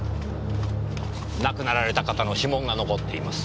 亡くなられた方の指紋が残っています。